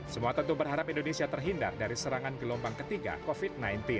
semua tentu berharap indonesia terhindar dari serangan gelombang ketiga covid sembilan belas